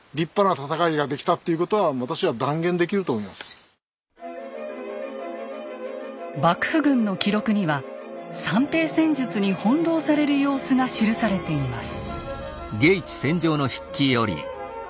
それから幕府軍の記録には散兵戦術に翻弄される様子が記されています。